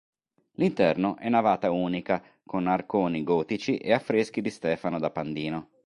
L'interno è navata unica con arconi gotici e affreschi di Stefano da Pandino.